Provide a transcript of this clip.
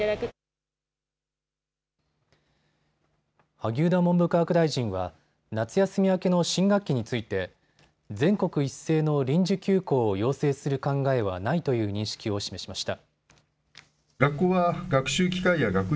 萩生田文部科学大臣は夏休み明けの新学期について全国一斉の臨時休校を要請する考えはないという認識を示しました。